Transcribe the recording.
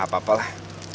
gak apa apa lah